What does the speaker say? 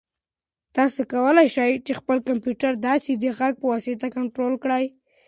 تاسو کولای شئ چې خپل کمپیوټر یوازې د غږ په واسطه کنټرول کړئ.